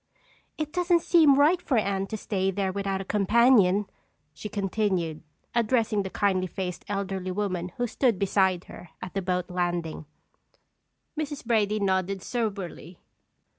"It doesn't seem right for Anne to stay there without a companion," she continued, addressing the kindly faced, elderly woman who stood beside her at the boat landing. Mrs. Brady nodded soberly.